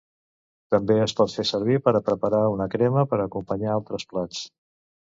També es pot fer servir per a preparar una crema per a acompanyar altres plats.